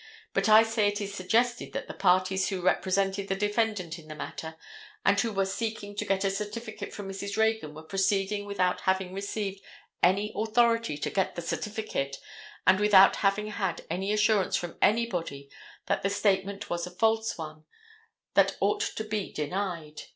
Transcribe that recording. But I say it is suggested that the parties who represented the defendant in the matter, and who were seeking to get a certificate from Mrs. Reagan were proceeding without having received any authority to get the certificate, and without having had any assurance from anybody that the statement was false and one that ought to be denied.